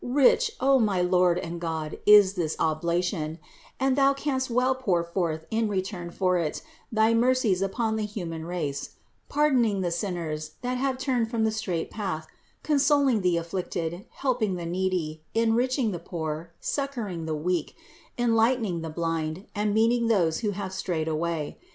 Rich, O my Lord and God, is this oblation; and Thou canst well pour forth, in return for it, thy mercies upon the human race: pardoning the sinners, that have turned from the straight path, consoling the afflicted, helping the needy, enriching the poor, succoring the weak, enlightening the blind, and meeting those who have strayed away.